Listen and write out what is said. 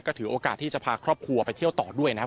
ก็ถือโอกาสที่จะพาครอบครัวไปเที่ยวต่อด้วยนะครับ